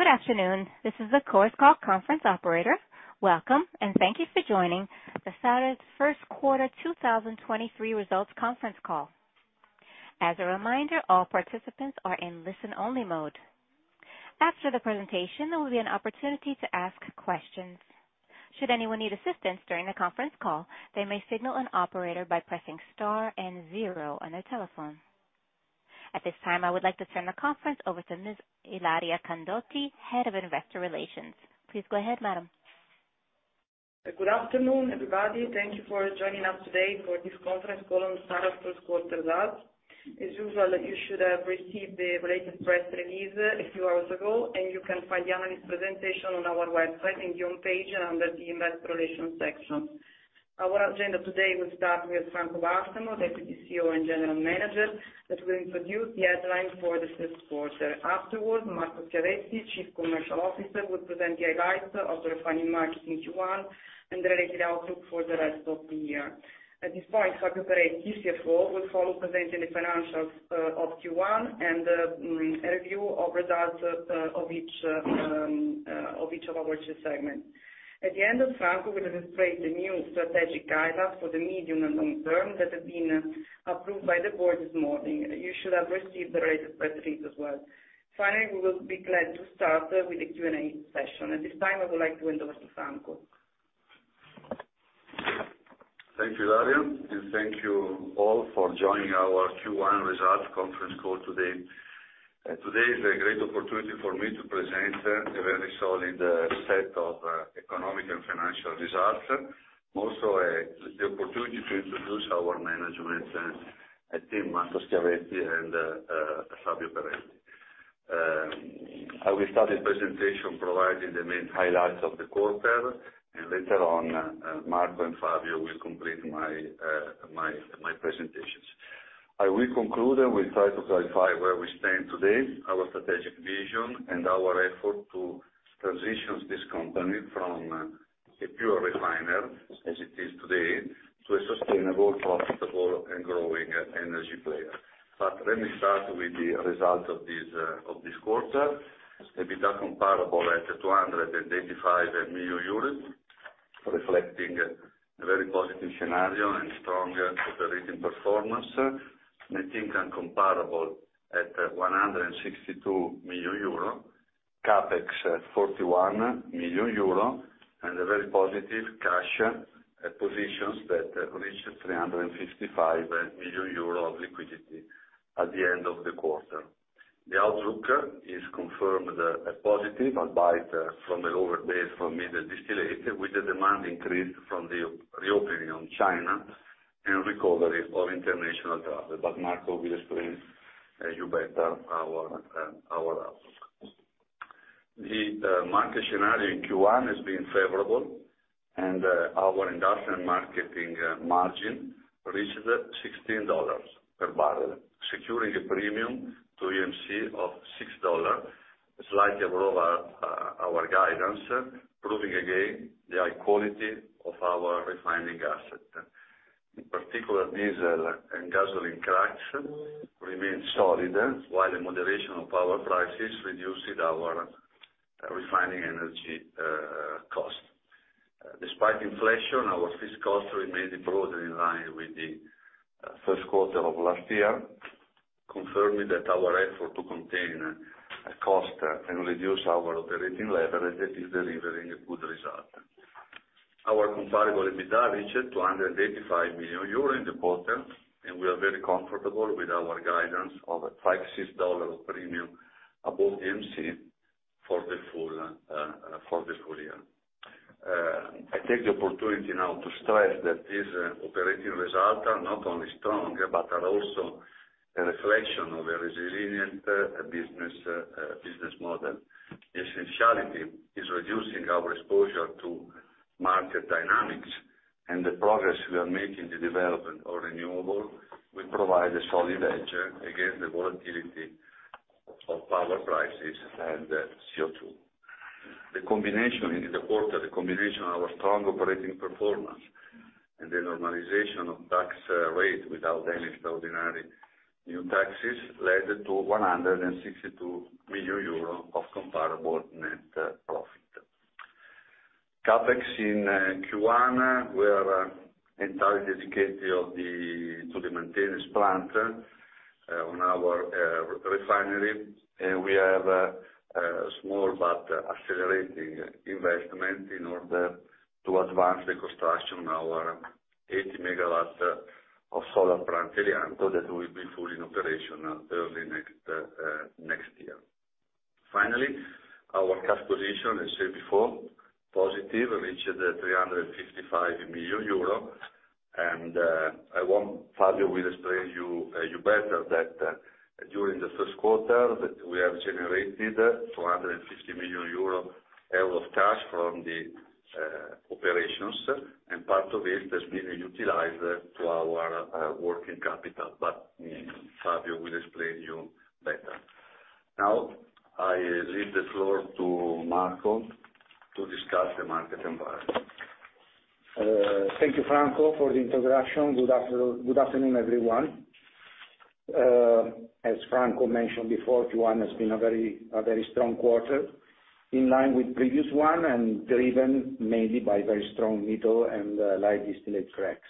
Good afternoon. This is the Chorus Call conference operator. Welcome, thank you for joining the Saras Q1 2023 Results Conference Call. As a reminder, all participants are in listen-only mode. After the presentation, there will be an opportunity to ask questions. Should anyone need assistance during the conference call, they may signal an operator by pressing star 0 on their telephone. At this time, I would like to turn the conference over to Ms. Ilaria Candotti, Head of Investor Relations. Please go ahead, madam. Good afternoon, everybody. Thank you for joining us today for this conference call on Saras first quarter results. As usual, you should have received the related press release a few hours ago, and you can find the analyst presentation on our website and home page under the Investor Relations section. Our agenda today will start with Franco Balsamo, Deputy CEO and General Manager, that will introduce the headlines for the Q1. Afterwards, Marco Schiavetti, Chief Commercial Officer, will present the highlights of the refining market in Q1 and the related outlook for the rest of the year. At this point, Fabio Peretti, CFO, will follow presenting the financials of Q1 and a review of results of each of our segments. At the end of Franco, we will display the new strategic guidelines for the medium and long term that have been approved by the board this morning. You should have received the related press release as well. We will be glad to start with the Q&A session. At this time, I would like to hand over to Franco. Thank you, Ilaria, and thank you all for joining our Q1 results conference call today. Today is a great opportunity for me to present a very solid set of economic and financial results. Also, the opportunity to introduce our management team, Marco Schiavetti and Fabio Peretti. I will start the presentation providing the main highlights of the quarter, and later on, Marco and Fabio will complete my presentations. I will conclude with trying to clarify where we stand today, our strategic vision, and our effort to transition this company from a pure refiner, as it is today, to a sustainable, profitable, and growing energy player. Let me start with the results of this quarter. EBITDA comparable at € 285 million, reflecting a very positive scenario and strong operating performance. Net income comparable at € 162 million. CapEx at € 41 million and a very positive cash positions that reached € 355 million of liquidity at the end of the quarter. The outlook is confirmed as positive, albeit from a lower base for middle distillate, with the demand increase from the reopening of China and recovery of international travel. Marco will explain you better our our outlook. The market scenario in Q1 has been favorable, and our industrial marketing margin reached $16 per barrel, securing a premium to EMC of $6, slightly above our our guidance, proving again the high quality of our refining asset. In particular, diesel and gasoline cracks remain solid, while the moderation of power prices reduced our refining energy cost. Despite inflation, our fixed cost remained broadly in line with the first quarter of last year, confirming that our effort to contain cost and reduce our operating leverage is delivering a good result. Our comparable EBITDA reached € 285 million in the quarter. We are very comfortable with our guidance of a $5-$6 premium above EMC for the full year. I take the opportunity now to stress that these operating results are not only strong, but are also a reflection of a resilient business model. Essentially, it's reducing our exposure to market dynamics and the progress we are making in the development of renewable will provide a solid edge against the volatility of power prices and CO2. The combination... In the quarter, the combination of our strong operating performance and the normalization of tax rate without any extraordinary new taxes led to € 162 million of comparable net profit. CapEx in Q1 were entirely dedicated to the maintenance plant on our refinery. We have a small but accelerating investment in order to advance the construction of our 80 MW of solar plant Elianto that will be fully in operation early next year. Finally, our cash position, as said before, positive, reached € 355 million. Fabio will explain you better that during the first quarter that we have generated € 250 million of cash from the operations. Part of it has been utilized to our working capital. Fabio will explain you better. Now, I leave the floor to Marco to discuss the market environment. Thank you, Franco, for the introduction. Good afternoon, everyone. As Franco mentioned before, Q1 has been a very strong quarter, in line with previous one, driven mainly by very strong middle and light distillate cracks.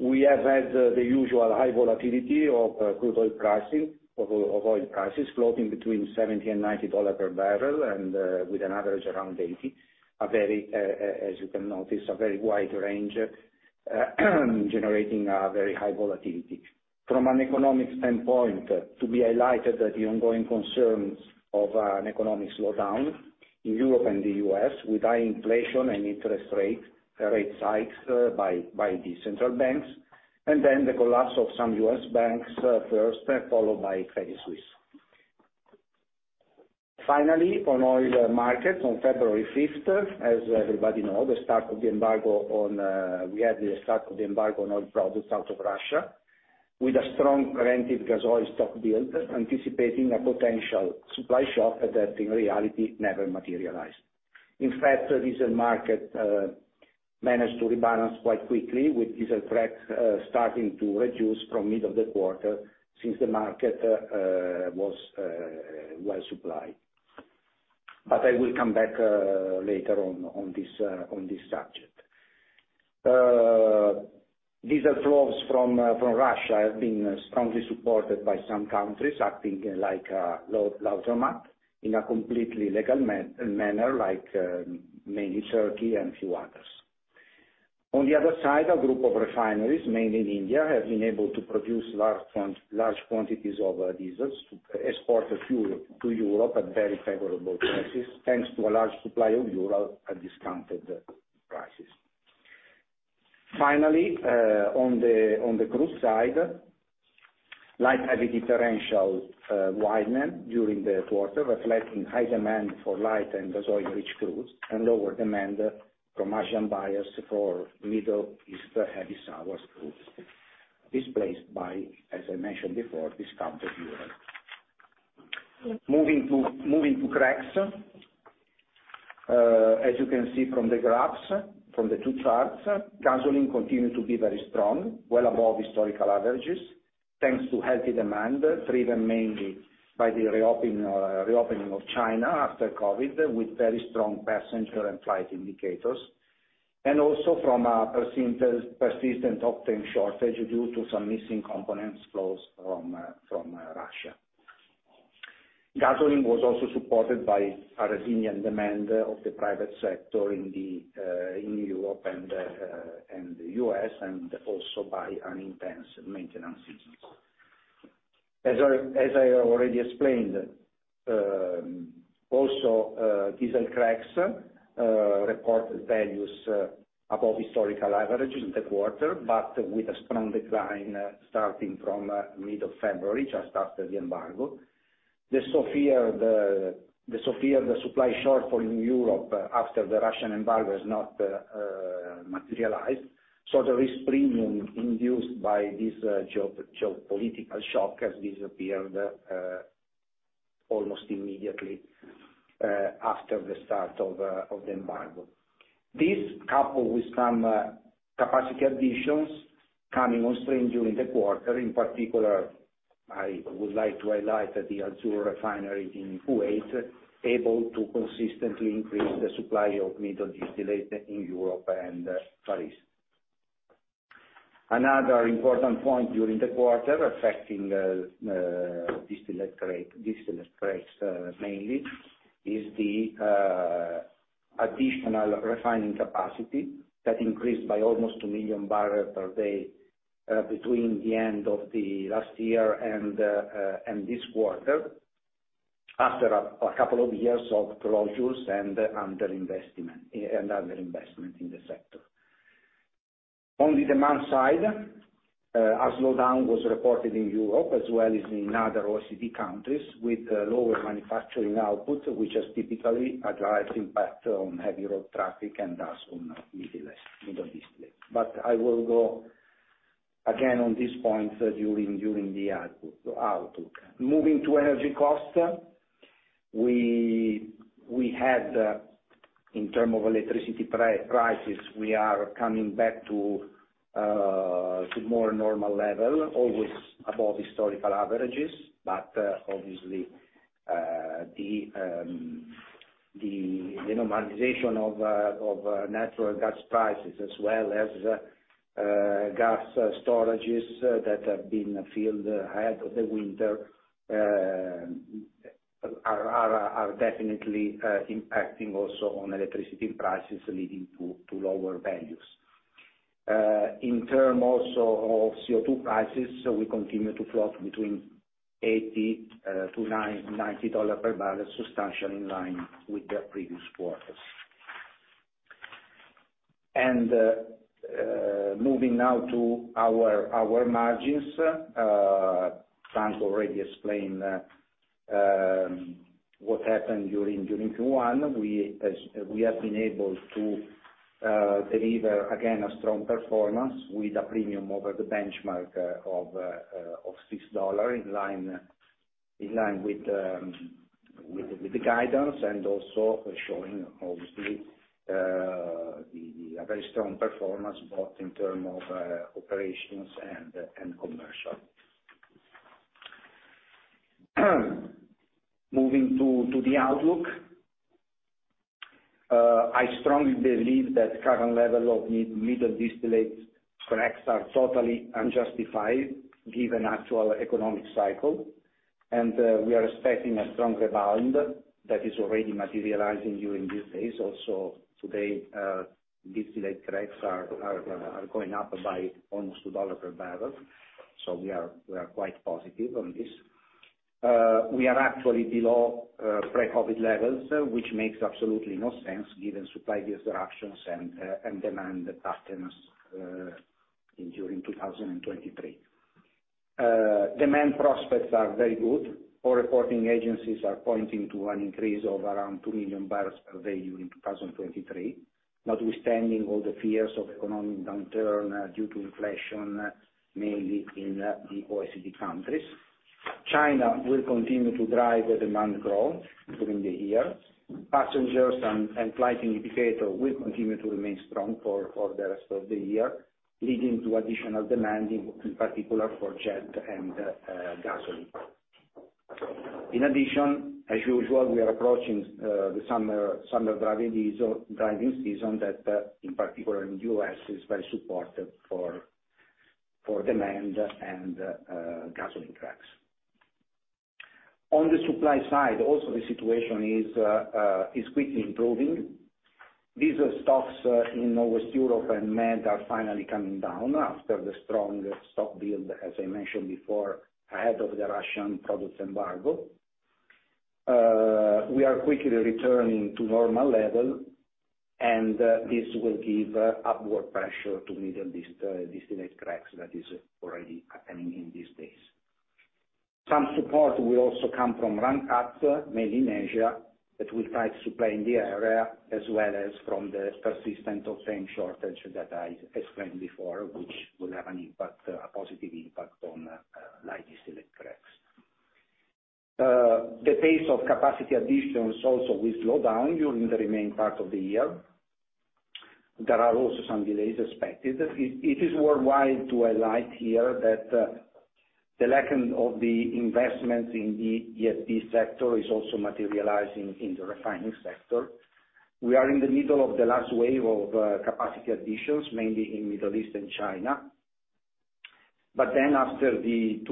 We have had the usual high volatility of crude oil pricing, of oil prices, floating between $70 and $90 per barrel with an average around $80. As you can notice, a very wide range, generating a very high volatility. From an economic standpoint, to be highlighted that the ongoing concerns of an economic slowdown in Europe and the U.S., with high inflation and interest rate hikes by the central banks, the collapse of some U.S. banks first, followed by Credit Suisse. Finally, on oil markets on February 5th, as everybody knows, the start of the embargo on oil products out of Russia, with a strong preventive gas oil stock build, anticipating a potential supply shock that in reality never materialized. The recent market managed to rebalance quite quickly, with diesel cracks starting to reduce from mid of the quarter since the market was well supplied. I will come back later on this subject. Diesel flows from Russia have been strongly supported by some countries acting like a load automaton in a completely legal manner like mainly Turkey and a few others. On the other side, a group of refineries, mainly in India, have been able to produce large quantities of diesels to export to fuel to Europe at very favorable prices, thanks to a large supply of Urals at discounted prices. Finally, on the crude side, light heavy differential widened during the quarter, reflecting high demand for light and resilient rich crudes and lower demand from Asian buyers for Middle East heavy sour crudes, displaced by, as I mentioned before, discounted Urals. Moving to cracks, as you can see from the graphs, from the two charts, gasoline continued to be very strong, well above historical averages, thanks to healthy demand driven mainly by the reopening of China after COVID, with very strong passenger and flight indicators, and also from a persistent octane shortage due to some missing components flows from Russia. Gasoline was also supported by a resilient demand of the private sector in Europe and the U.S, and also by an intense maintenance season. As I already explained, also diesel cracks report values above historical averages in the quarter, but with a strong decline starting from mid of February, just after the embargo. The fear the supply shortfall in Europe after the Russian embargo has not materialized. The risk premium induced by this geopolitical shock has disappeared almost immediately after the start of the embargo. This coupled with some capacity additions coming on stream during the quarter. In particular, I would like to highlight that the Al-Zour refinery in Kuwait able to consistently increase the supply of middle distillate in Europe and Iberia. Another important point during the quarter affecting distillate crack, distillate cracks mainly is the additional refining capacity that increased by almost 2 million barrels per day between the end of the last year and this quarter, after a couple of years of closures and underinvestment in the sector. On the demand side, a slowdown was reported in Europe as well as in other OECD countries with lower manufacturing output, which has typically a direct impact on heavy road traffic and thus on middle distillates. I will go again on this point during the outlook. Moving to energy costs, we had in term of electricity prices, we are coming back to more normal level, always above historical averages. Obviously, the normalization of natural gas prices as well as gas storages that have been filled ahead of the winter, are definitely impacting also on electricity prices leading to lower values. In terms of CO2 prices, we continue to float between $80-$90 per barrel, substantially in line with the previous quarters. Moving now to our margins, Frank already explained what happened during Q1. We have been able to deliver again a strong performance with a premium over the benchmark of $6, in line with the guidance and also showing obviously a very strong performance both in terms of operations and commercial. Moving to the outlook. I strongly believe that current level of middle distillate cracks are totally unjustified given actual economic cycle, we are expecting a strong rebound that is already materializing during these days. Today, distillate cracks are going up by almost $2 per barrel. We are quite positive on this. We are actually below pre-COVID levels, which makes absolutely no sense given supply disruptions and demand patterns during 2023. Demand prospects are very good. All reporting agencies are pointing to an increase of around 2 million barrels per day during 2023, notwithstanding all the fears of economic downturn due to inflation, mainly in the OECD countries. China will continue to drive the demand growth during the year. Passengers and flight indicator will continue to remain strong for the rest of the year, leading to additional demand, in particular for jet and gasoline. In addition, as usual, we are approaching the summer driving season that in particular in U.S. is very supportive for demand and gasoline cracks. On the supply side, also the situation is quickly improving. These are stocks in West Europe and Med are finally coming down after the strong stock build, as I mentioned before, ahead of the Russian products embargo. We are quickly returning to normal level, and this will give upward pressure to middle distillate cracks that is already happening in these days. Some support will also come from run cuts, mainly in Asia, that will fight supply in the area as well as from the persistent of same shortage that I explained before, which will have an impact, a positive impact on light distillate cracks. The pace of capacity additions also will slow down during the remaining part of the year. There are also some delays expected. It is worldwide to a large year that the lacking of the investments in the E&P sector is also materializing in the refining sector. We are in the middle of the last wave of capacity additions, mainly in Middle East and China. After 2025-2026,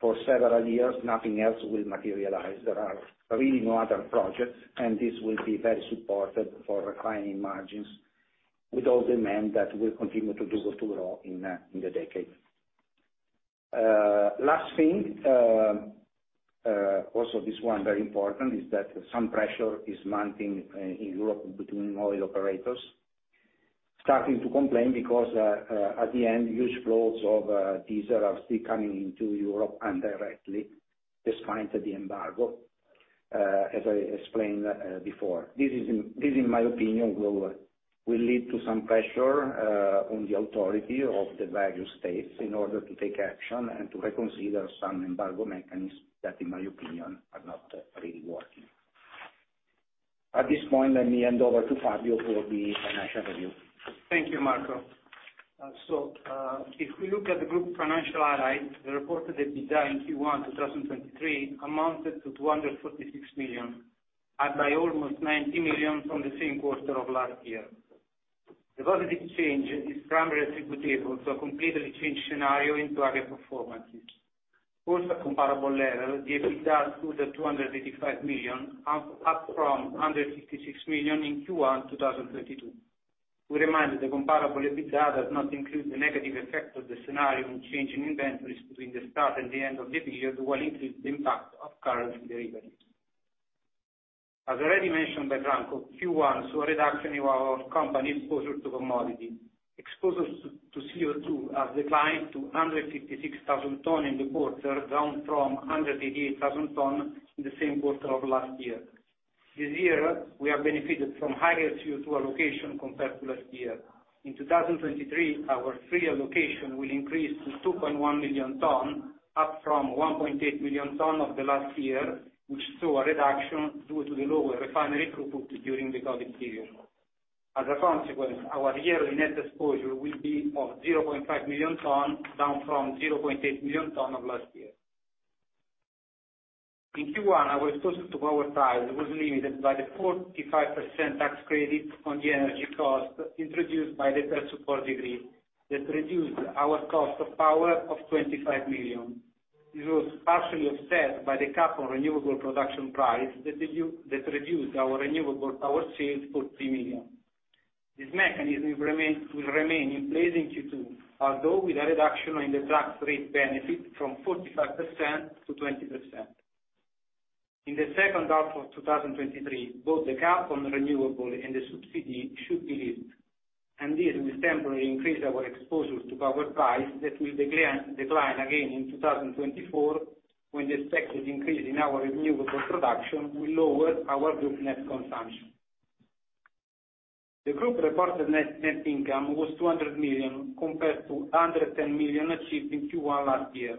for several years, nothing else will materialize. There are really no other projects, this will be very supportive for refining margins with all demand that will continue to grow in the decade. Last thing, also this one very important, is that some pressure is mounting in Europe between oil operators. Starting to complain because, at the end, huge flows of diesel are still coming into Europe and directly despite of the embargo, as I explained before. This in my opinion will lead to some pressure on the authority of the various states in order to take action and to reconsider some embargo mechanisms that, in my opinion, are not really working. At this point, let me hand over to Fabio for the financial review. Thank you, Marco. If we look at the group financial highlights, the reported EBITDA in Q1 2023 amounted to € 246 million, up by almost € 90 million from the same quarter of last year. The positive change is primarily attributable to a completely changed scenario into other performances. Post a comparable level, the EBITDA stood at € 285 million, up from € 156 million in Q1 2022. We remind that the comparable EBITDA does not include the negative effect of the scenario in changing inventories between the start and the end of the period, while increased impact of current derivatives. As already mentioned by Franco, Q1 saw a reduction in our company exposure to commodity. Exposure to CO2 has declined to 156,000 tons in the quarter, down from 188,000 tons in the same quarter of last year. This year, we have benefited from higher CO2 allocation compared to last year. In 2023, our free allocation will increase to 2.1 million tons, up from 1.8 million tons of last year, which saw a reduction due to the lower refinery throughput during the COVID period. As a consequence, our yearly net exposure will be of 0.5 million tons, down from 0.5 million tons of last year. In Q1, our exposure to power price was limited by the 45% tax credit on the energy cost introduced by the Decreto Aiuti-Ter that reduced our cost of power of € 25 million. It was partially offset by the cap on renewable production price that reduced our renewable power sales, € 40 million. This mechanism will remain in place in Q2, although with a reduction in the tax rate benefit from 45% to 20%. In the second half of 2023, both the cap on renewable and the subsidy should be lifted. This will temporarily increase our exposure to power price that will decline again in 2024, when the expected increase in our renewable production will lower our group net consumption. The group reported net income was € 200 million compared to € 110 million achieved in Q1 last year.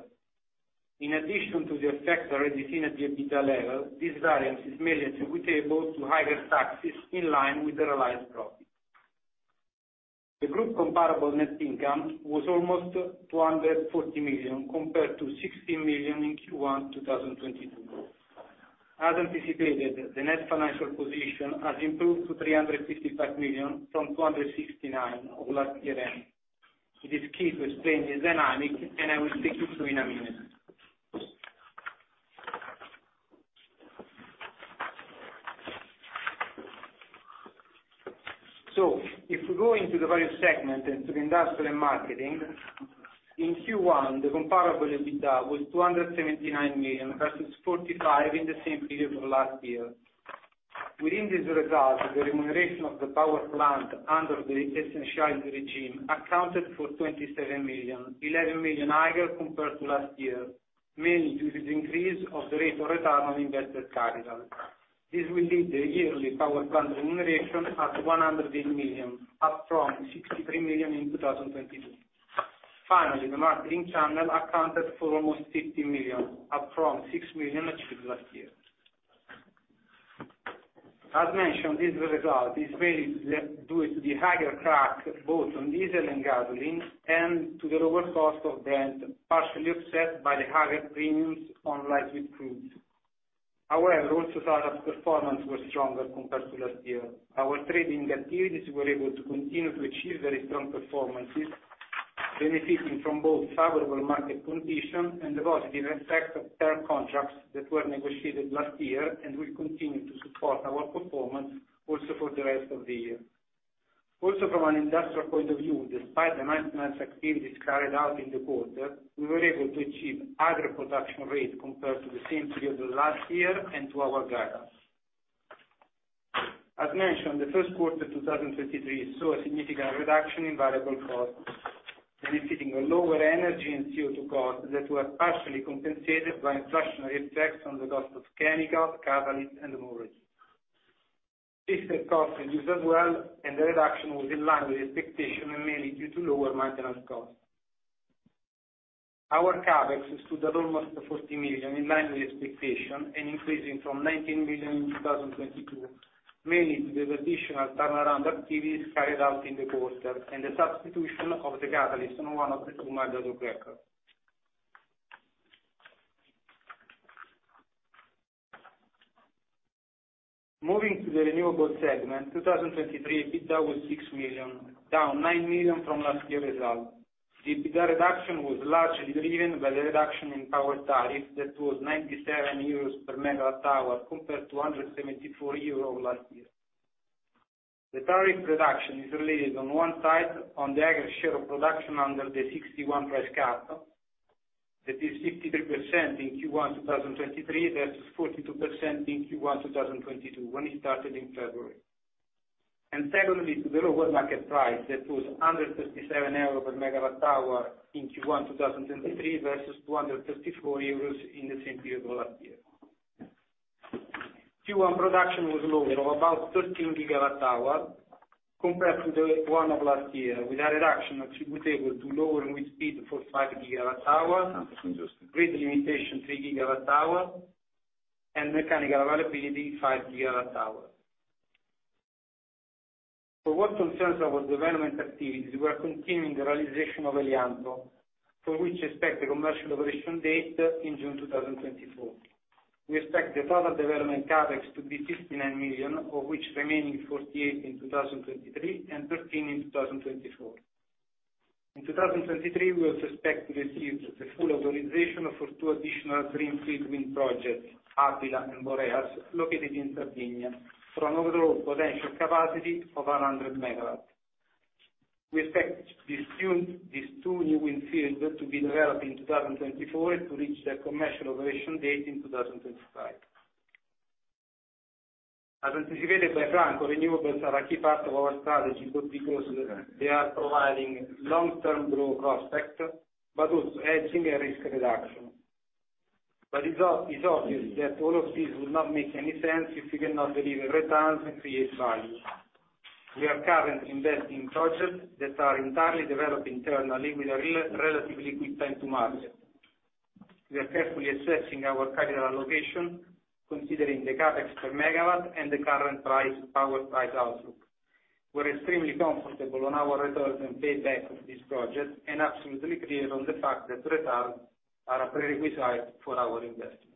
In addition to the effects already seen at the EBITDA level, this variance is mainly attributable to higher taxes in line with the realized profit. The group comparable net income was almost € 240 million compared to € 60 million in Q1 2022. As anticipated, the net financial position has improved to € 365 million from € 269 of last year end. It is key to explain the dynamic, and I will take you through in a minute. If we go into the various segments, into the industrial and marketing, in Q1, the comparable EBITDA was € 279 million versus € 45 million in the same period of last year. Within this result, the remuneration of the power plant under the essenzializzato regime accounted for € 27 million, € 11 million higher compared to last year, mainly due to the increase of the rate of return on invested capital. This will lead the yearly power plant remuneration at € 108 million, up from € 63 million in 2022. The marketing channel accounted for almost € 50 million, up from € 6 million achieved last year. As mentioned, this result is mainly due to the higher crack, both on diesel and gasoline, and to the lower cost of vent, partially offset by the higher premiums on light sweet crudes. Also our performance was stronger compared to last year. Our trading activities were able to continue to achieve very strong performances, benefiting from both favorable market conditions and the positive effect of term contracts that were negotiated last year, and will continue to support our performance also for the rest of the year. From an industrial point of view, despite the maintenance activities carried out in the quarter, we were able to achieve higher production rate compared to the same period of last year and to our guidance. As mentioned, the first quarter 2023 saw a significant reduction in variable costs, benefiting a lower energy and CO2 cost that were partially compensated by inflationary effects on the cost of chemical, catalyst, and movers. System cost reduced as well, the reduction was in line with expectation and mainly due to lower maintenance cost. Our CapEx stood at almost € 40 million, in line with expectation and increasing from € 19 million in 2022, mainly to the additional turnaround activities carried out in the quarter and the substitution of the catalyst on one of the two mild hydrocracker. Moving to the renewable segment, 2023, EBITDA was € 6 million, down € 9 million from last year result. The EBITDA reduction was largely driven by the reduction in power tariff that was € 97 per MWh, compared to € 174 last year. The tariff reduction is related on one side, on the aggregate share of production under the $60 price cap. That is 53% in Q1 2023 versus 42% in Q1 2022, when it started in February. Secondly, to the lower market price that was € 137 per MWh in Q1 2023 versus € 234 in the same period of last year. Q1 production was lower of about 13 gigawatt hour compared to the one of last year, with a reduction attributable to lower wind speed for 5 gigawatt hour, grid limitation 3 gigawatt hour, and mechanical availability 5 gigawatt hour. For what concerns our development activities, we are continuing the realization of Elianto, for which expect a commercial operation date in June 2024. We expect the further development CapEx to be € 59 million, of which remaining 48 in 2023 and 13 in 2024. In 2023, we also expect to receive the full authorization for 2 additional greenfield wind projects, Aquila and Boreas, located in Sardinia, from overall potential capacity of 100 megawatt. We expect these two new wind field to be developed in 2024 and to reach their commercial operation date in 2025. As anticipated by Franco, renewables are a key part of our strategy, both because they are providing long-term growth prospect, but also hedging and risk reduction. It's obvious that all of this would not make any sense if we cannot deliver returns and create value. We are currently investing in projects that are entirely developed internally with a relatively quick time to market. We are carefully assessing our capital allocation, considering the CapEx per megawatt and the current price, power price outlook. We're extremely comfortable on our return and payback of this project, and absolutely clear on the fact that returns are a prerequisite for our investment.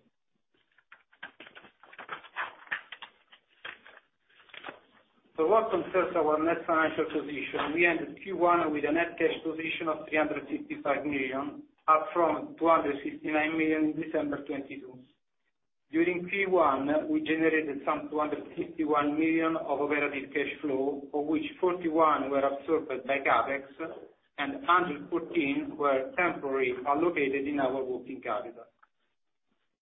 For what concerns our net financial position, we ended Q1 with a net cash position of € 365 million, up from € 269 million in December 2022. During Q1, we generated some € 251 million of operating cash flow, of which € 41 million were absorbed by CapEx and € 114 million were temporarily allocated in our working capital.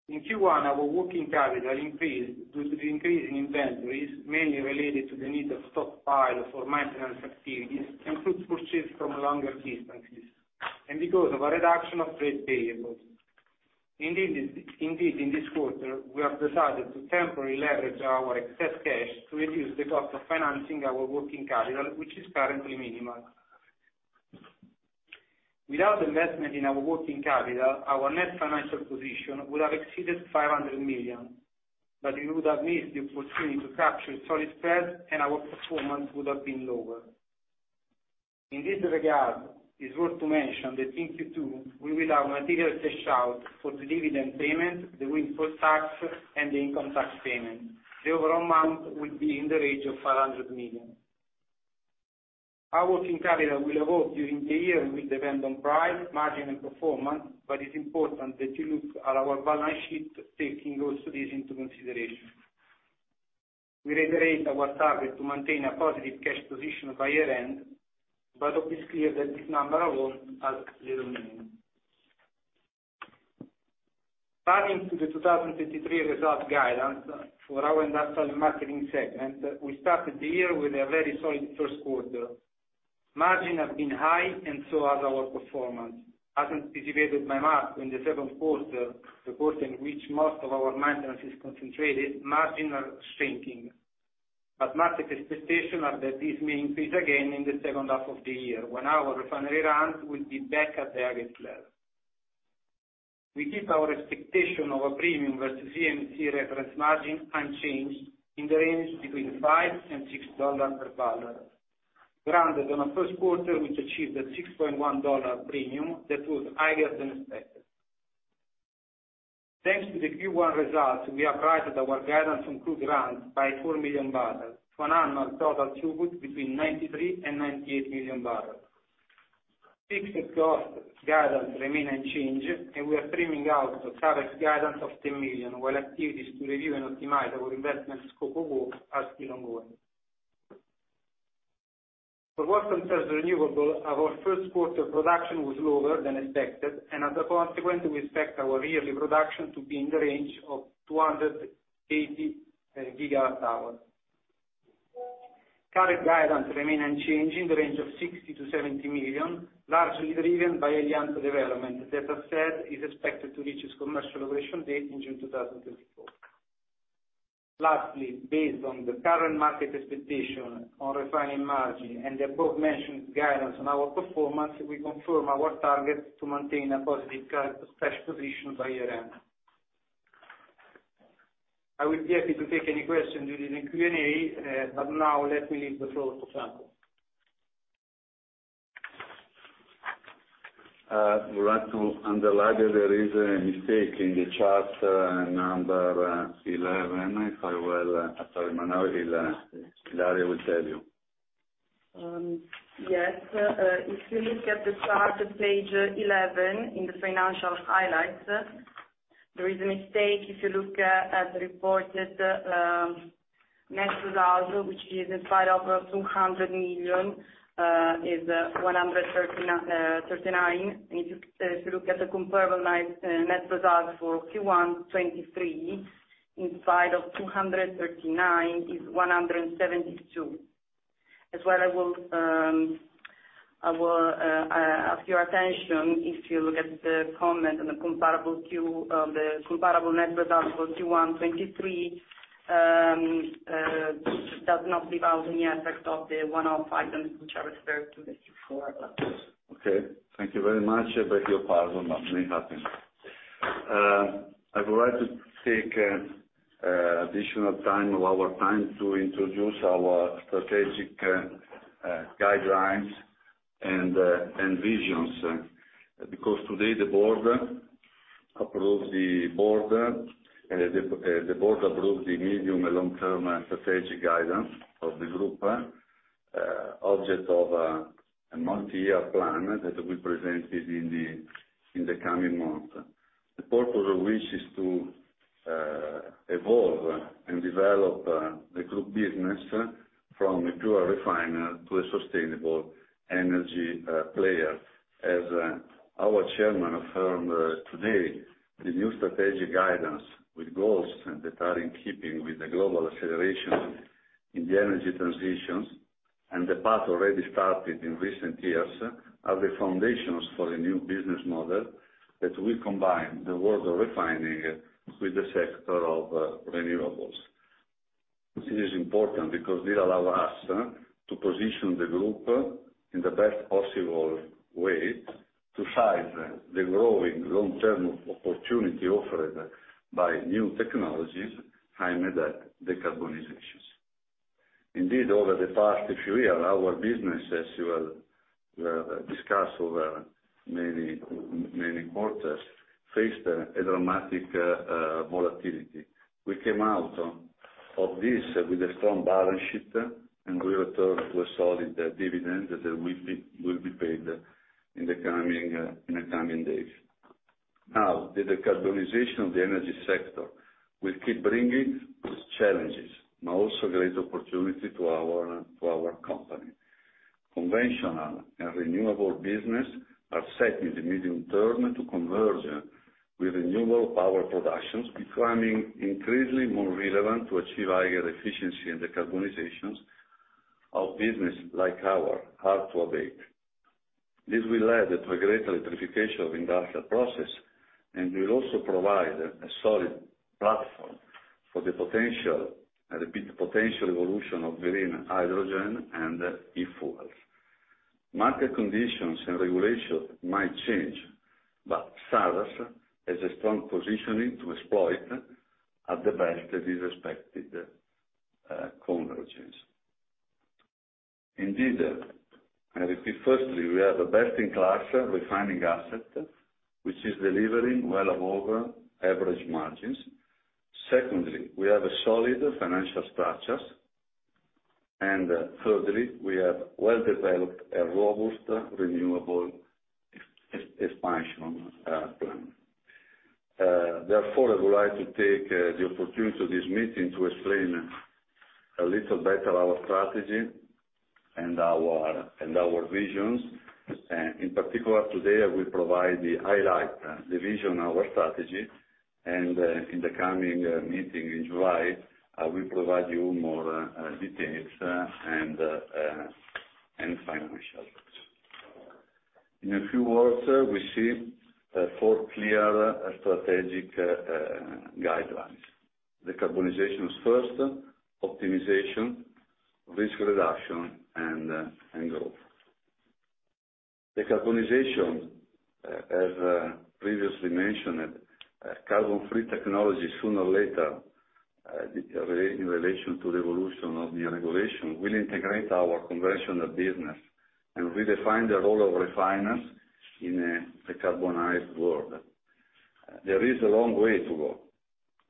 In Q1, our working capital increased due to the increase in inventories, mainly related to the need of stockpile for maintenance activities and crude purchased from longer distances, and because of a reduction of trade payables. Indeed, in this quarter, we have decided to temporarily leverage our excess cash to reduce the cost of financing our working capital, which is currently minimal. Without investment in our working capital, our net financial position would have exceeded € 500 million, but we would have missed the opportunity to capture solid spreads, and our performance would have been lower. In this regard, it's worth to mention that in Q2, we will have material cash out for the dividend payment, the windfall tax, and the income tax payment. The overall amount will be in the range of € 500 million. Our working capital will evolve during the year with dependent price, margin and performance, but it's important that you look at our balance sheet, taking also this into consideration. We reiterate our target to maintain a positive cash position by year-end, but it is clear that this number alone has little meaning. Turning to the 2023 result guidance for our Industrial and Marketing segment, we started the year with a very solid first quarter. Margin has been high and so has our performance. As anticipated by Marco in the second quarter, the quarter in which most of our maintenance is concentrated, margin are shrinking. Market expectation are that this may increase again in the second half of the year when our refinery runs will be back at the average level. We keep our expectation of a premium versus EMC reference margin unchanged in the range between $5-$6 per barrel, granted on a first quarter which achieved a $6.1 premium that was higher than expected. Thanks to the Q1 results, we upgraded our guidance on crude runs by 4 million barrels to an annual total throughput between 93-98 million barrels. Fixed cost guidance remain unchanged. We are trimming out the CapEx guidance of € 10 million, while activities to review and optimize our investment scope of work are still ongoing. For what concerns Renewable, our first quarter production was lower than expected, and as a consequence, we expect our yearly production to be in the range of 280 gigawatt hours. CapEx guidance remain unchanged in the range of € 60 million-€ 70 million, largely driven by Elianto development, that as said, is expected to reach its commercial operation date in June 2024. Lastly, based on the current market expectation on refining margin and the above mentioned guidance on our performance, we confirm our target to maintain a positive CapEx cash position by year-end. I will be happy to take any questions during the Q&A, but now let me leave the floor to Franco. We would like to underline that there is a mistake in the chart, number 11. Sorry, Emanuele. Ilaria will tell you. Yes, if you look at the chart at page 11 in the financial highlights, there is a mistake. If you look at the reported net results, which is inside of € 200 million, is 139. If you look at the comparable net results for Q1 2023, inside of € 239 is 172. I will ask your attention if you look at the comment on the comparable Q, the comparable net result for Q1 2023, does not leave out any effect of the one-off items which I referred to before. Okay. Thank you very much. Your part will not be happening. I would like to take additional time of our time to introduce our strategic guidelines and visions. Today the board approved the medium and long-term strategic guidance of the group, object of a multi-year plan that we presented in the coming month. The purpose of which is to evolve and develop the group business from a pure refiner to a sustainable energy player. As our chairman affirmed today, the new strategic guidance with goals that are in keeping with the global acceleration in the energy transitions and the path already started in recent years, are the foundations for a new business model that will combine the world of refining with the sector of renewables. It is important because it allow us to position the group in the best possible way to hive the growing long-term opportunity offered by new technologies aimed at decarbonizations. Indeed, over the past few years, our business, as you will discuss over many quarters, faced a dramatic volatility. We came out of this with a strong balance sheet, we return to a solid dividend that will be paid in the coming days. Now, the decarbonization of the energy sector will keep bringing its challenges, but also great opportunity to our company. Conventional and renewable business are set in the medium term to converge with renewable power productions, becoming increasingly more relevant to achieve higher efficiency in decarbonization of business like our hard to abate. This will lead to a greater electrification of industrial process and will also provide a solid platform for the potential, I repeat, potential evolution of green hydrogen and e-fuels. Market conditions and regulation might change, Saras has a strong positioning to exploit at the best of this expected convergence. Indeed, I repeat, firstly, we have a best in class refining asset, which is delivering well above average margins. Secondly, we have a solid financial structures. Thirdly, we have well developed a robust renewable expansion plan. Therefore, I would like to take the opportunity of this meeting to explain a little better our strategy and our visions. In particular, today, I will provide the highlight, the vision, our strategy, and in the coming meeting in July, I will provide you more details and financial results. In a few words, we see four clear strategic guidelines. Decarbonization is first, optimization, risk reduction and growth. Decarbonization, as previously mentioned, carbon-free technology, sooner or later, in relation to the evolution of new regulation, will integrate our conventional business and redefine the role of refiners in a decarbonized world. There is a long way to go.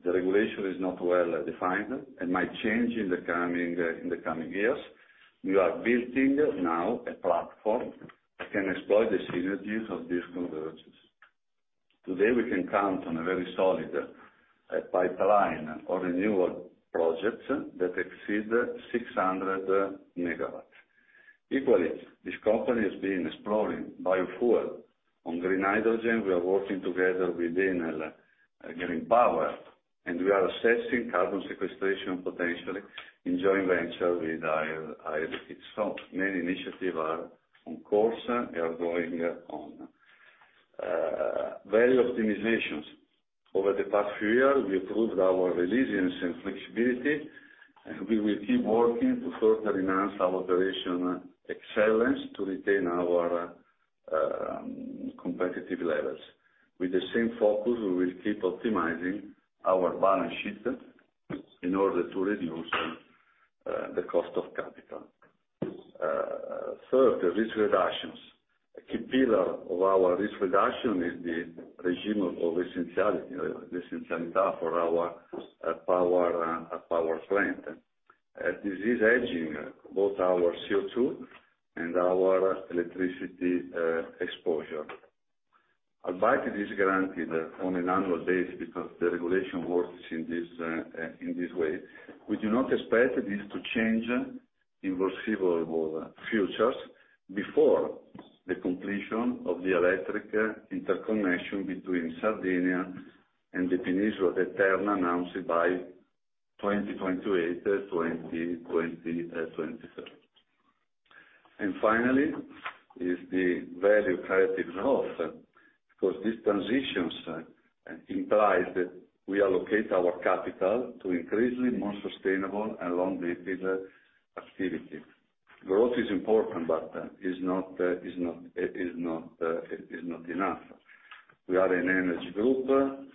The regulation is not well defined and might change in the coming years. We are building now a platform that can exploit the synergies of this convergence. Today, we can count on a very solid pipeline of renewable projects that exceed 600 megawatts. Equally, this company has been exploring biofuel. On green hydrogen, we are working together with Enel Green Power, we are assessing carbon sequestration potentially in joint venture with I-REC. Many initiatives are on course. They are going on. Value optimizations. Over the past few years, we improved our resilience and flexibility, we will keep working to further enhance our operational excellence to retain our competitive levels. With the same focus, we will keep optimizing our balance sheet in order to reduce the cost of capital. Third, risk reductions. A key pillar of our risk reduction is the regime of essenzialità for our power plant. This is hedging both our CO2 and our electricity exposure. Although this is guaranteed on an annual basis because the regulation works in this way, we do not expect this to change in foreseeable futures before the completion of the electric interconnection between Sardinia and the peninsula, that Terna announced by 2028, 2023. Finally, is the value creative growth, because this transitions implies that we allocate our capital to increasingly more sustainable and long-dated activities. Growth is important, but it is not enough. We are an energy group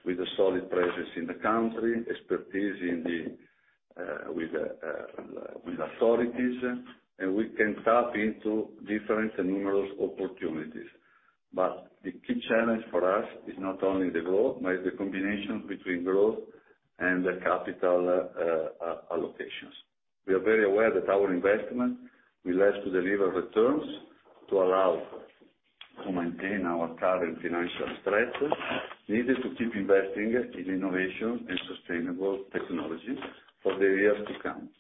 with a solid presence in the country, expertise in the with authorities, we can tap into different and numerous opportunities. The key challenge for us is not only the growth, but the combination between growth and the capital allocations. We are very aware that our investment will have to deliver returns to allow to maintain our current financial strength needed to keep investing in innovation and sustainable technologies for the years to come.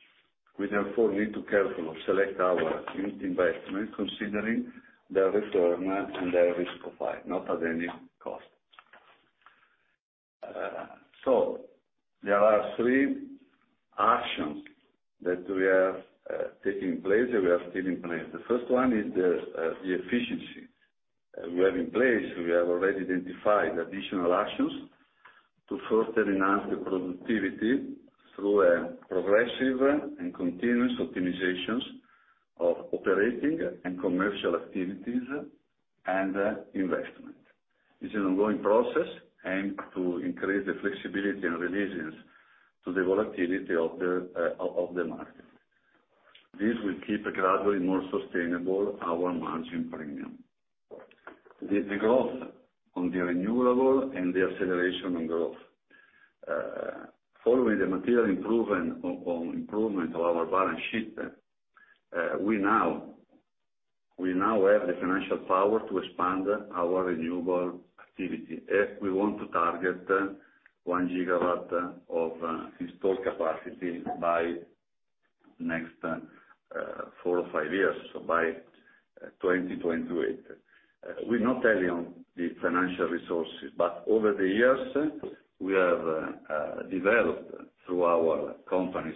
We therefore need to carefully select our investment, considering the return and the risk profile, not at any cost. There are 3 actions that we have taken in place and we are still in place. The first one is the efficiency we have in place. We have already identified additional actions to further enhance the productivity through a progressive and continuous optimizations of operating and commercial activities and investment. This is an ongoing process aimed to increase the flexibility and resilience to the volatility of the market. This will keep gradually more sustainable our margin premium. The growth on the renewable and the acceleration on growth. Following the material improvement of our balance sheet, we now have the financial power to expand our renewable activity. We want to target 1 gigawatt of installed capacity by next 4 or 5 years, so by 2028. We're not telling the financial resources, but over the years, we have developed through our company.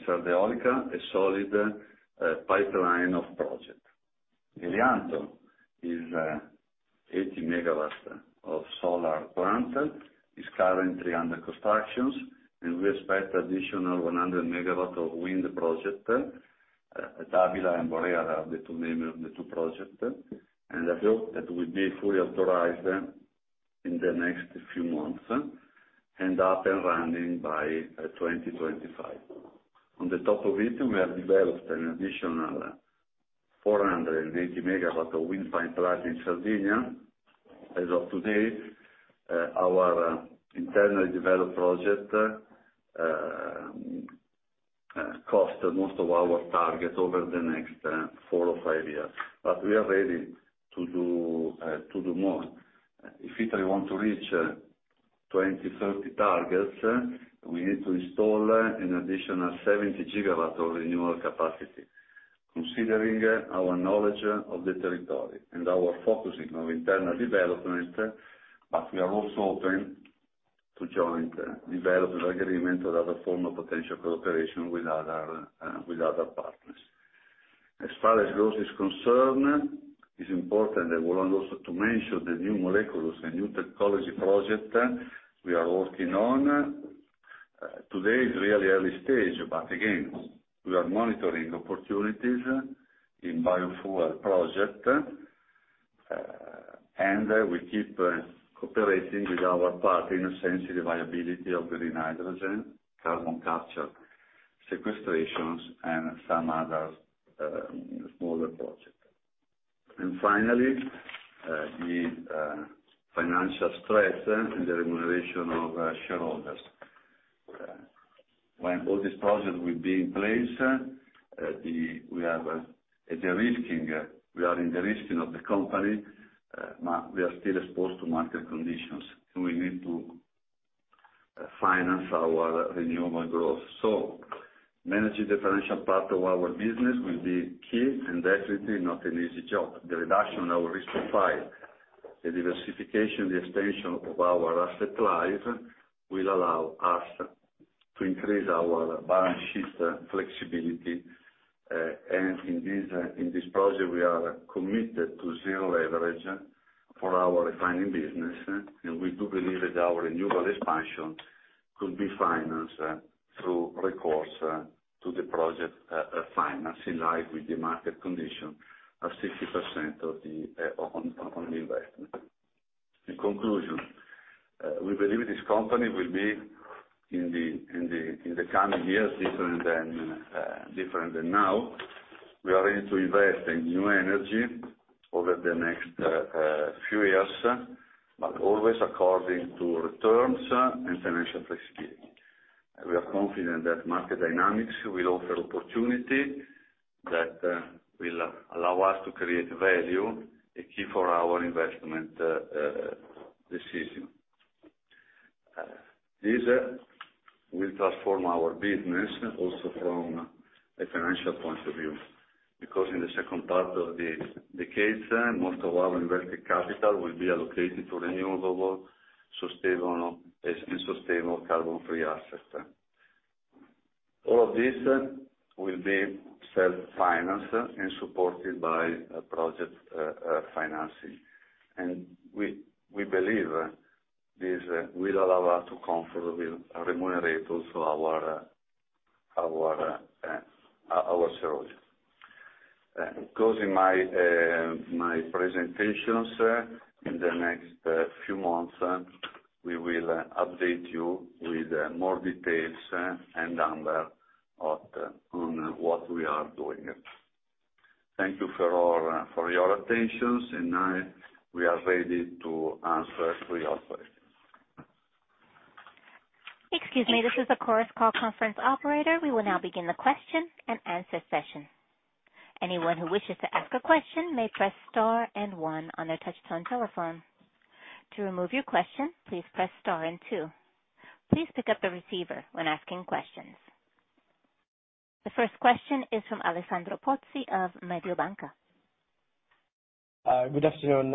Good afternoon.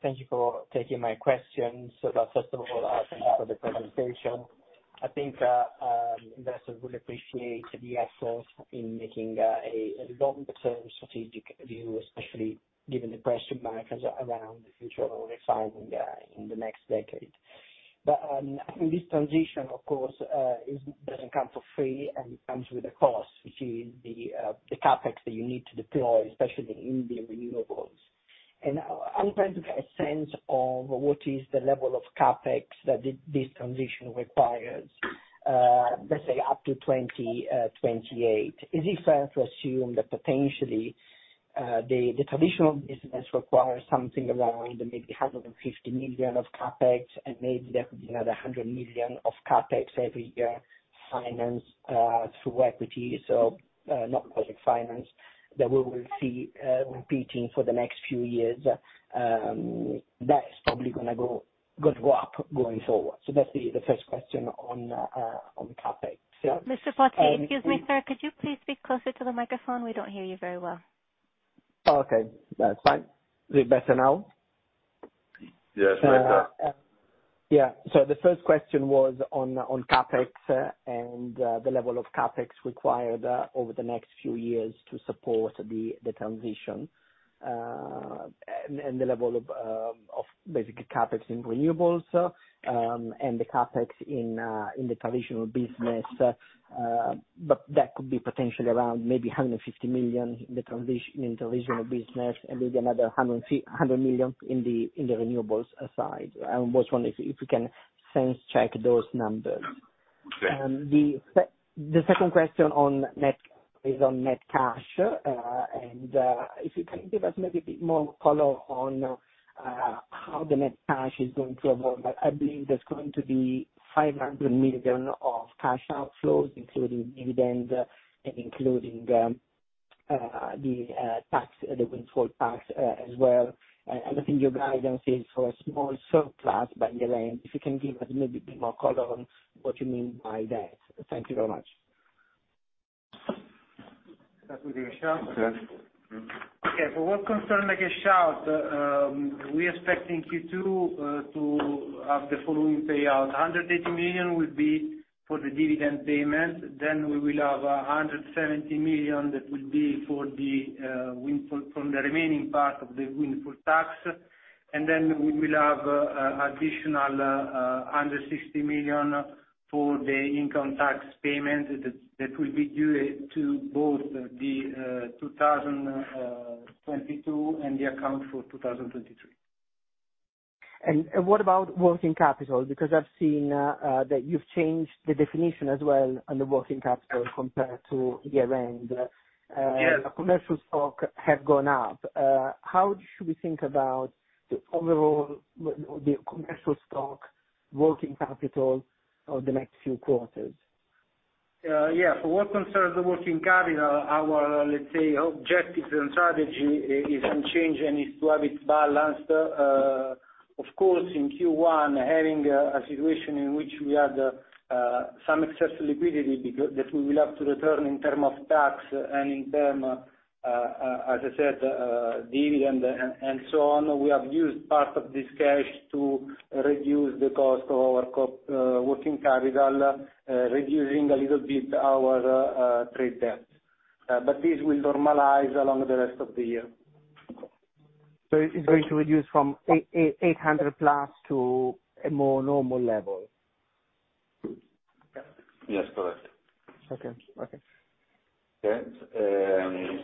Thank you for taking my questions. First of all, thank you for the presentation. I think investors will appreciate the efforts in making a long-term strategic view, especially given the question marks around the future of refining in the next decade. This transition, of course, it doesn't come for free, and it comes with a cost, which is the CapEx that you need to deploy, especially in the renewables. I'm trying to get a sense of what is the level of CapEx that this transition requires, let's say up to 2028. Is it fair to assume that potentially, the traditional business requires something around maybe € 150 million of CapEx, and maybe there could be another € 100 million of CapEx every year financed through equity, so not project finance, that we will see repeating for the next few years, that is probably gonna go up going forward. That's the first question on CapEx. Mr. Pozzi. Excuse me, sir. Could you please speak closer to the microphone? We don't hear you very well. Okay. That's fine. Is it better now? Yes. The first question was on CapEx and the level of CapEx required over the next few years to support the transition. The level of basically CapEx in renewables and the CapEx in the traditional business. That could be potentially around maybe € 150 million in traditional business and maybe another € 100 million in the renewables aside. I was wondering if you can sense-check those numbers? Okay. The second question on net, is on net cash. If you can give us maybe a bit more color on how the net cash is going to evolve. I believe there's going to be € 500 million of cash outflows, including dividend, and including the tax, the windfall tax, as well. I think your guidance is for a small surplus by year-end. If you can give us maybe a bit more color on what you mean by that? Thank you very much. That with you, Alessandro? Okay. For what concern the cash out, we expecting Q2 to have the following payout. € 180 million will be for the dividend payment. We will have € 170 million that will be for the windfall, from the remaining part of the windfall tax. We will have additional € 160 million for the income tax payment that will be due to both the 2022 and the account for 2022. What about working capital? Because I've seen that you've changed the definition as well on the working capital compared to year-end. Yes. Commercial stock have gone up. How should we think about the overall the commercial stock working capital over the next few quarters? For what concerns the working capital, our objective and strategy is unchanged, and is to have it balanced. Of course, in Q1, having a situation in which we had some excess liquidity that we will have to return in term of tax and in term, as I said, dividend and so on. We have used part of this cash to reduce the cost of our working capital, reducing a little bit our trade debts. This will normalize along the rest of the year. It's going to reduce from 800 plus to a more normal level? Yes, correct. Okay. Okay. Okay.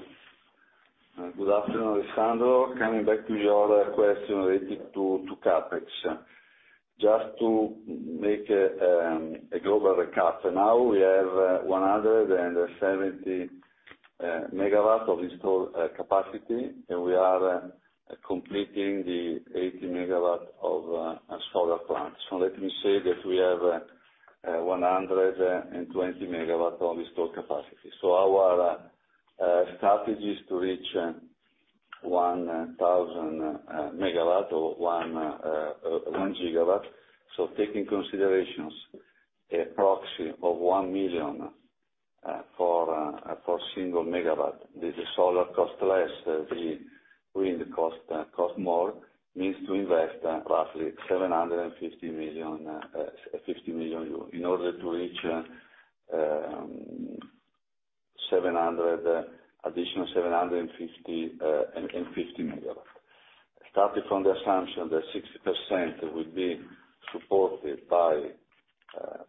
Good afternoon, Alessandro. Coming back to your question related to CapEx. Just to make a global recap. For now we have 170 megawatts of installed capacity, and we are completing the 80 megawatt of solar plants. Let me say that we have 120 megawatts of installed capacity. Our strategy is to reach 1,000 megawatt or 1 gigawatt. Taking considerations, a proxy of 1 million for single megawatt, the solar costs less, the wind costs more, needs to invest roughly € 750 million in order to reach additional 750 megawatt. Starting from the assumption that 60% will be supported by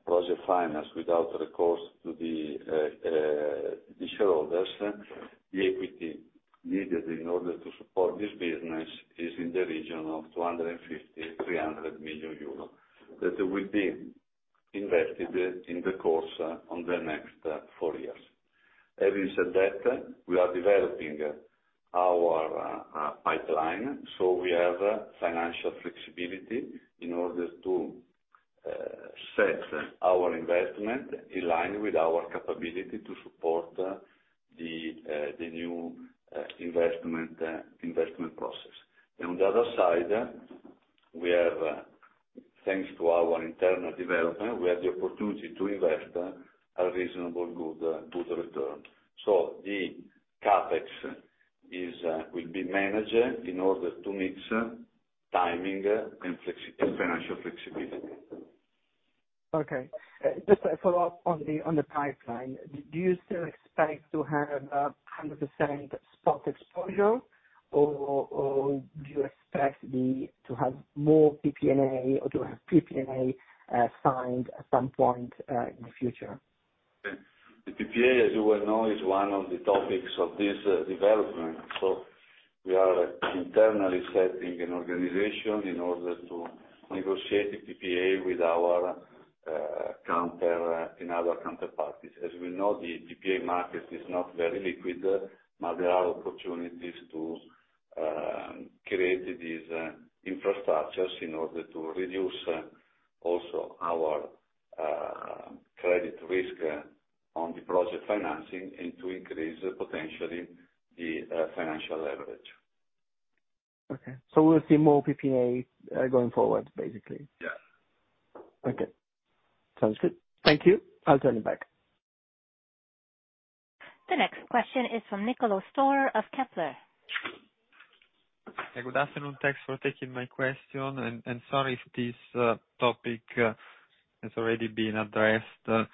project finance without recourse to the shareholders, the equity needed in order to support this business is in the region of € 250 million-€ 300 million, that will be invested in the course on the next 4 years. Having said that, we are developing our pipeline, so we have financial flexibility in order to set our investment in line with our capability to support the new investment process. On the other side, we have, thanks to our internal development, we have the opportunity to invest a reasonable good to the return. The CapEx is will be managed in order to mix timing and financial flexibility. Okay. just a follow-up on the pipeline. Do you still expect to have 100% spot exposure or do you expect to have more PPA or to have PPA signed at some point in the future? The PPA, as you well know, is one of the topics of this development. We are internally setting an organization in order to negotiate the PPA with our counterparties. As we know, the PPA market is not very liquid, but there are opportunities to create these infrastructures in order to reduce also our credit risk on the project financing and to increase potentially the financial leverage. Okay. We'll see more PPA going forward, basically? Okay. Sounds good. Thank you. I'll turn it back. The next question is from Niccolo Storer of Kepler. Good afternoon. Thanks for taking my question, and sorry if this topic has already been addressed.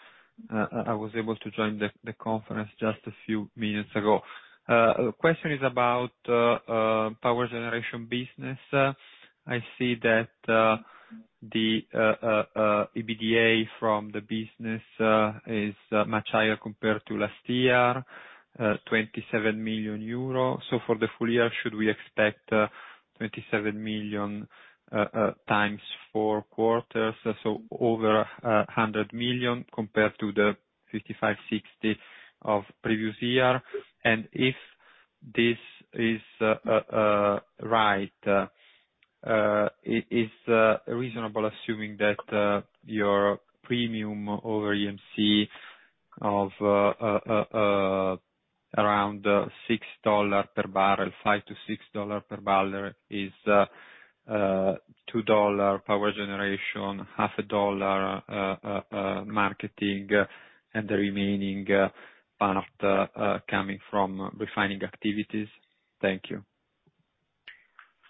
I was able to join the conference just a few minutes ago. The question is about power generation business. I see that the EBITDA from the business is much higher compared to last year, € 27 million. For the full year, should we expect € 27 million times Q4, over € 100 million compared to the € 55-60 of previous year? If this is right, is reasonable assuming that your premium over EMC of around $6 per barrel, $5-$6 per barrel is $2 power generation, half a dollar marketing, and the remaining part coming from refining activities? Thank you.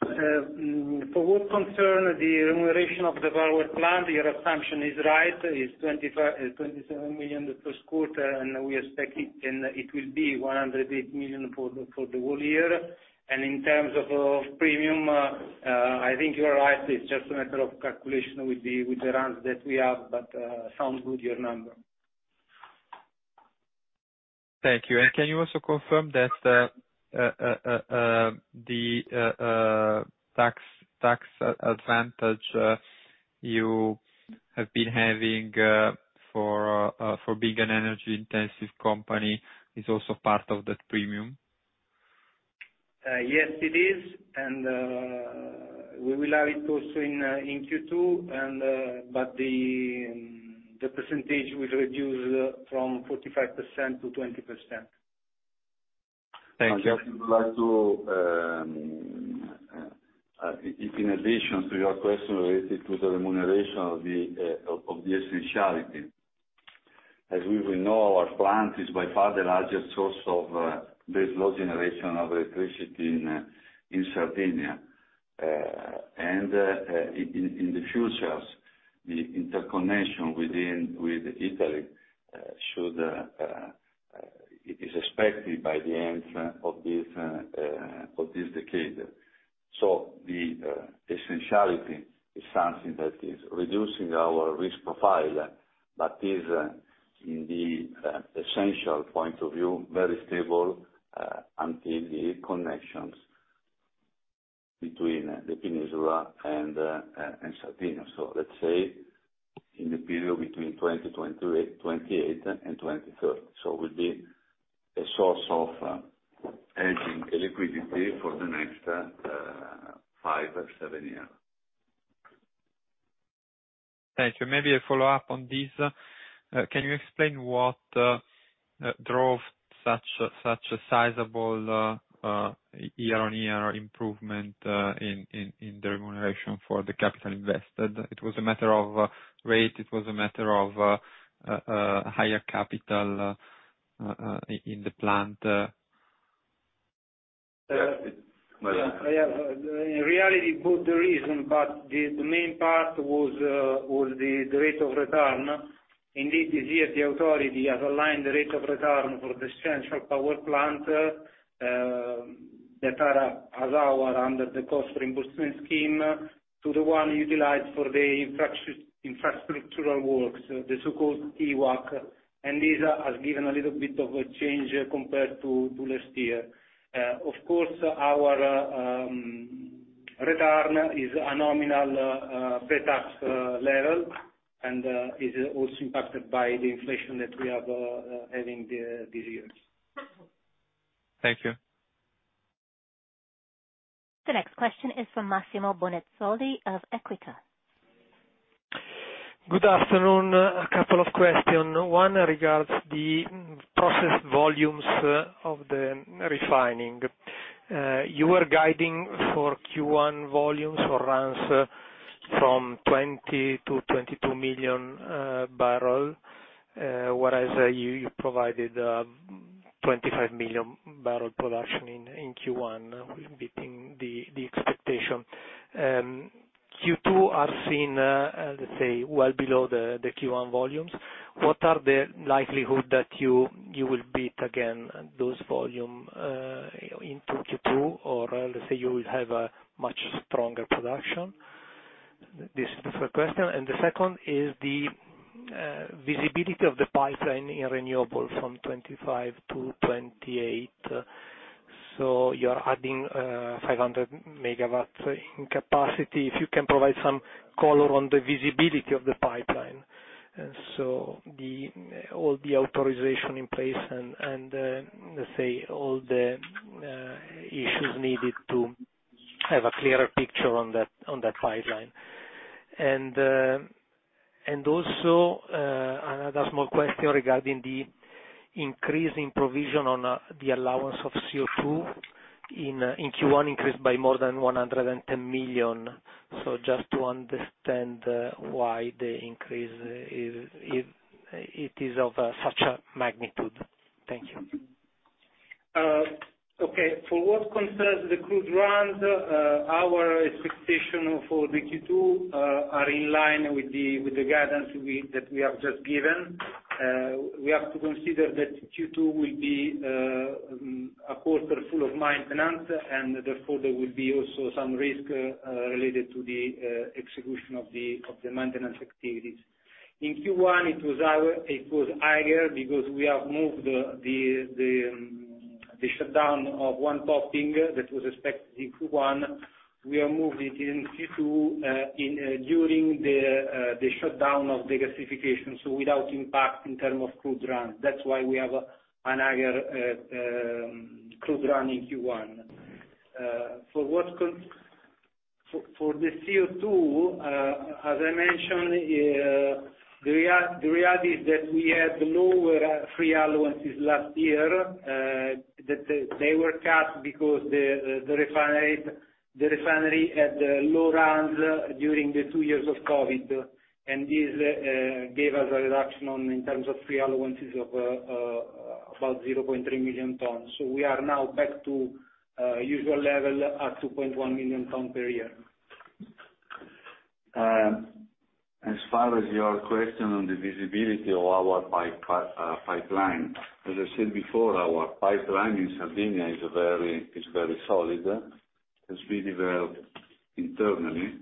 For what concern the remuneration of the power plant, your assumption is right. It's € 27 million the first quarter, and we expect it, and it will be € 108 million for the whole year. In terms of premium, I think you are right. It's just a matter of calculation with the runs that we have, but sounds good, your number. Thank you. Can you also confirm that the tax advantage you have been having for being an energy-intensive company is also part of that premium? Yes, it is. We will have it also in Q2, and, the percentage will reduce from 45% to 20%. Thank you. I just would like to in addition to your question related to the remuneration of the essentiality. As we know, our plant is by far the largest source of baseload generation of electricity in Sardinia. In the future, the interconnection within, with Italy, should it is expected by the end of this decade. The essentiality is something that is reducing our risk profile, but is in the essential point of view, very stable until the connections between the peninsula and Sardinia. Let's say in the period between 2028 and 2030. Will be a source of adding liquidity for the next 5 or 7 years. Thank you. Maybe a follow-up on this. Can you explain what drove such a sizable year-on-year improvement in the remuneration for the capital invested? It was a matter of rate, it was a matter of higher capital in the plant? in reality, both the reason, but the main part was the rate of return. Indeed, this year the authority has aligned the rate of return for the essential power plant that are as our under the cost reimbursement scheme to the one utilized for the infrastructural works, the so-called WACC, and this has given a little bit of a change compared to last year. Of course, our return is a nominal pre-tax level and is also impacted by the inflation that we are having these years. Thank you. The next question is from Massimo Bonisoli of Equita SIM. Good afternoon. A couple of questions. One regards the process volumes of the refining. You were guiding for Q1 volumes or runs from 20 million-22 million barrel. Whereas you provided 25 million barrel production in Q1, beating the expectation. Q2 are seen, let's say, well below the Q1 volumes. What are the likelihood that you will beat again those volume into Q2, or let's say, you will have a much stronger production? This is the first question. The second is the visibility of the pipeline in renewable from 2025-2028. So you're adding 500 megawatt in capacity, if you can provide some color on the visibility of the pipeline. All the authorization in place and, let's say, all the issues needed to have a clearer picture on that, on that pipeline. Also, another small question regarding the increasing provision on the allowance of CO2 in Q1 increased by more than € 110 million. Just to understand why the increase is of such a magnitude. Thank you. Okay. For what concerns the crude runs, our expectation for Q2 are in line with the guidance that we have just given. We have to consider that Q2 will be a quarter full of maintenance and therefore there will be also some risk related to the execution of the maintenance activities. In Q1, it was higher because we have moved the shutdown of one topping that was expected in Q1, we have moved it in Q2 during the shutdown of the gasification, so without impact in term of crude run. That's why we have a higher crude run in Q1. For the CO2, as I mentioned, the reality is that we had lower free allowances last year, that they were cut because the refinery had low runs during the 2 years of COVID. This gave us a reduction on, in terms of free allowances of about 0.3 million tons. We are now back to usual level at 2.1 million tons per year. As far as your question on the visibility of our pipeline, as I said before, our pipeline in Sardinia is very solid. It's been developed internally.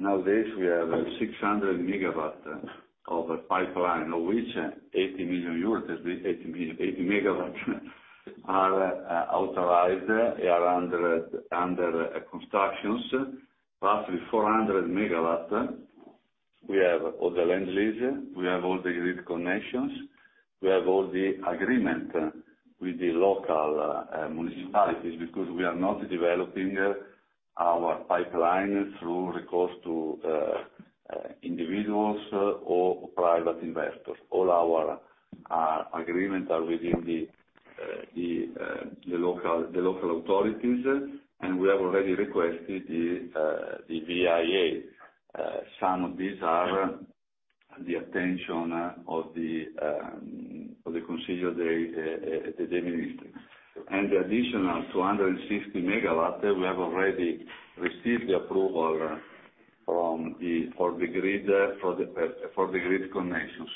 Nowadays we have 600 megawatt of pipeline, of which 80 megawatt are authorized. They are under constructions. Roughly 400 megawatt, we have all the land lease, we have all the grid connections, we have all the agreement with the local municipalities because we are not developing our pipeline through recourse to individuals or private investors. All our agreement are within the local authorities. We have already requested the VIA. Some of these are the attention of the council, the ministry. The additional 260 MW, we have already received the approval from the, for the grid connection.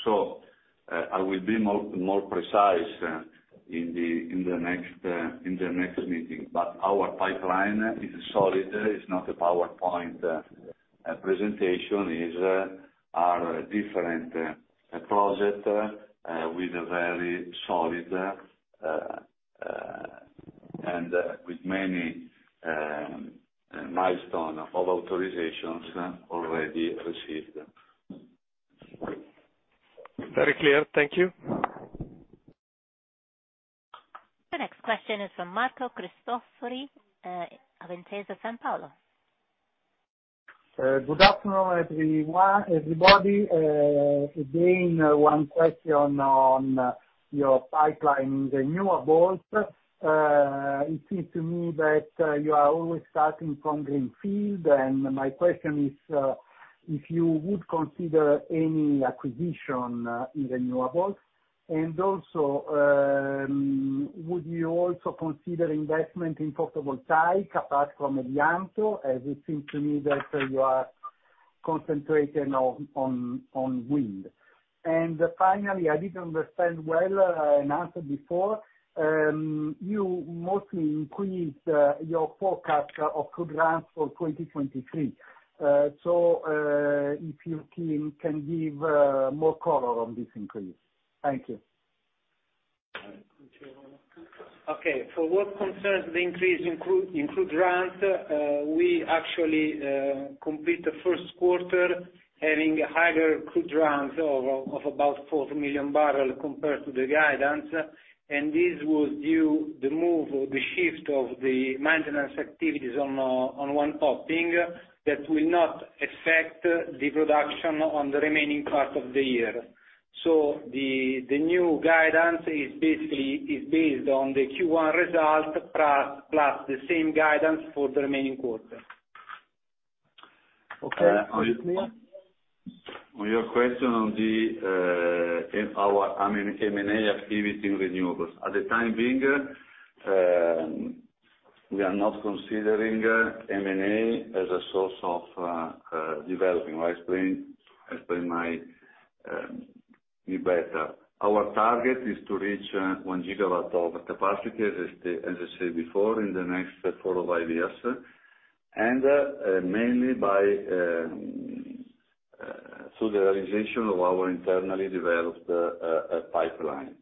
I will be more precise in the next meeting. Our pipeline is solid. It's not a PowerPoint presentation. Are a different project with a very solid and with many milestone of authorizations already received. Very clear. Thank you. The next question is from Marco Cristofori, Intesa Sanpaolo. Good afternoon, everyone, everybody. Again, 1 question on your pipeline in the renewables. It seems to me that you are always starting from greenfield, and my question is if you would consider any acquisition in renewables? Would you also consider investment in portable tie apart from Elianto, as it seems to me that you are concentrating on wind. Finally, I didn't understand well an answer before. You mostly increase your forecast of crude runs for 2023. If your team can give more color on this increase. Thank you. Okay. For what concerns the increase in crude runs, we actually complete the first quarter having a higher crude runs of about 4 million barrel compared to the guidance. This was due the move or the shift of the maintenance activities on 1 topping that will not affect the production on the remaining part of the year. The new guidance is based on the Q1 result plus the same guidance for the remaining quarter. Okay. On your question on the in our M&A activity in renewables. At the time being, we are not considering M&A as a source of developing. I explain my be better. Our target is to reach one gigawatt of capacity, as I said before, in the next four or five years, mainly by through the realization of our internally developed pipeline.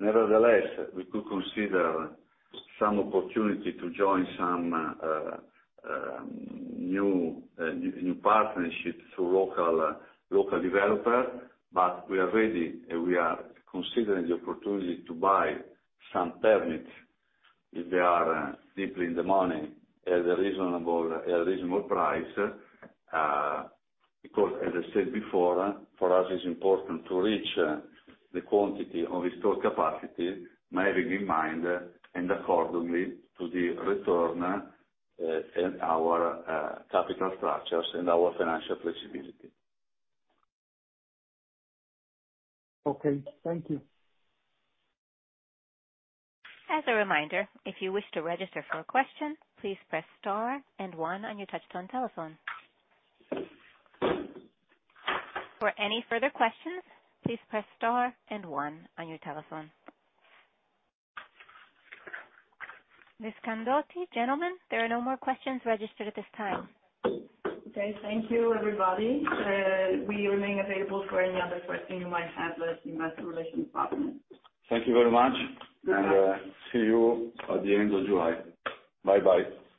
Nevertheless, we could consider some opportunity to join some new partnerships through local developer, but we are ready and we are considering the opportunity to buy some permits if they are deeply in the money at a reasonable price. As I said before, for us it's important to reach the quantity of installed capacity, bearing in mind and accordingly to the return, in our capital structures and our financial flexibility. Okay. Thank you. As a reminder, if you wish to register for a question, please press star and 1 on your touchtone telephone. For any further questions, please press star and 1 on your telephone. Ms. Candotti, gentlemen, there are no more questions registered at this time. Okay. Thank you, everybody. We remain available for any other question you might have with the investor relations department. Thank you very much, and, see you at the end of July. Bye-bye.